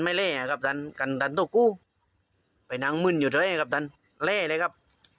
ไม่แล้วครับท่านจำต้องกู้ไปน้างมืนอยู่ทั้งต่างทั้งแล้วครับ